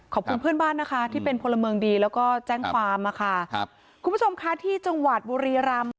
ขอบคุณเพื่อนบ้านนะคะที่เป็นพลเมืองดีแล้วก็แจ้งความค่ะ